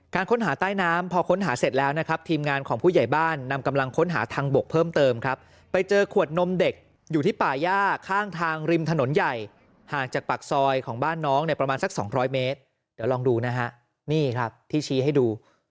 ค้นหาใต้น้ำพอค้นหาเสร็จแล้วนะครับทีมงานของผู้ใหญ่บ้านนำกำลังค้นหาทางบกเพิ่มเติมครับไปเจอขวดนมเด็กอยู่ที่ป่าย่าข้างทางริมถนนใหญ่ห่างจากปากซอยของบ้านน้องเนี่ยประมาณสัก๒๐๐เมตรเดี๋ยวลองดูนะฮะนี่ครับที่ชี้ให้ดู